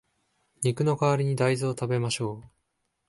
肉の代わりに大豆を食べましょう